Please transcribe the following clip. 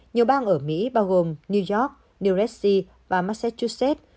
nhiều bang ở mỹ bao gồm new york new jersey và massachusetts